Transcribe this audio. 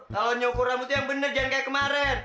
kalau nyukur kamu tuh yang bener jangan kayak kemarin